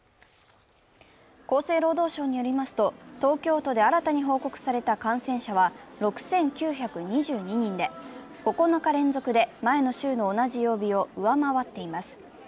厚生労働省によりますと、東京都で新たに報告された感染者は６９２２人で９日連続で前の週の同じ曜日を上回っています。